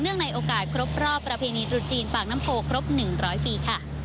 ในโอกาสครบรอบประเพณีตรุษจีนปากน้ำโพครบ๑๐๐ปีค่ะ